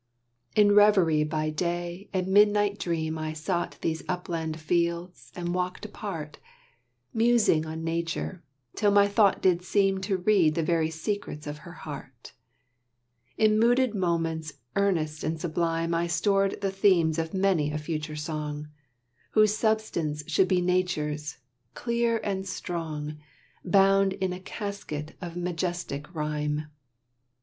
In reverie by day and midnight dream I sought these upland fields and walked apart, Musing on Nature, till my thought did seem To read the very secrets of her heart; In mooded moments earnest and sublime I stored the themes of many a future song, Whose substance should be Nature's, clear and strong, Bound in a casket of majestic rhyme.